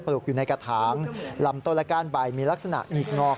ลูกอยู่ในกระถางลำต้นและก้านใบมีลักษณะหงิกงอก